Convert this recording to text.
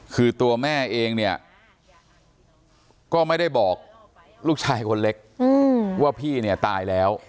คือตัวแม่เองเนี่ยก็ไม่ได้บอกลูกชายคนเล็กว่าพี่เนี่ยตายแล้ว